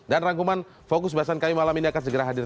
dan rangkuman fokus bahasan kami malam ini akan segera hadir